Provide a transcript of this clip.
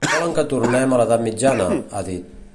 Volen que tornem a l’edat mitjana, ha dit.